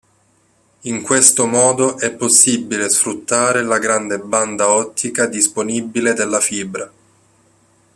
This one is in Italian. In questo modo è possibile sfruttare la grande banda ottica disponibile della fibra.